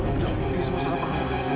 edo kita semua salah paham